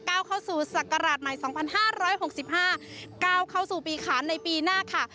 ก้าวเข้าสู่ศักราชใหม่สองพันห้าร้อยหกสิบห้าก้าวเข้าสู่ปีขาวในปีหน้าค่ะ